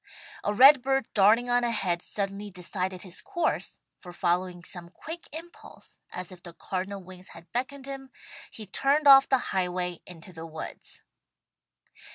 A red bird darting on ahead suddenly decided his course, for following some quick impulse, as if the cardinal wings had beckoned him, he turned off the highway into the woods.